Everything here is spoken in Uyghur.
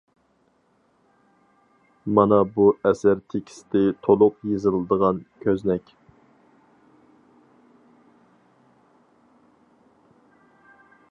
مانا بۇ ئەسەر تېكىستى تولۇق يېزىلىدىغان كۆزنەك.